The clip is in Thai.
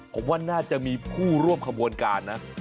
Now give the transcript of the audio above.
ผมว่าน่าจะมีผู้ร่วมขบวนการนะ